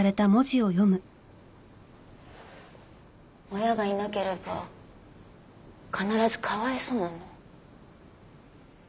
親がいなければ必ずかわいそうなの？